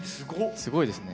すごいですね。